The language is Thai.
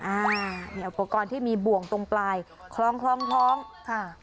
อันนี้อุปกรณ์ที่มีบ่วงตรงปลายคล้องค่ะ